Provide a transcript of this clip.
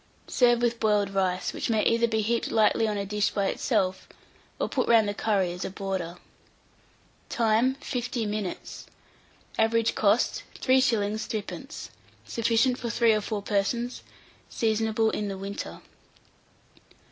Serve with boiled rice, which may either be heaped lightly on a dish by itself, or put round the curry as a border. Time. 50 minutes. Average cost, 3s. 3d. Sufficient for 3 or 4 persons. Seasonable in the winter.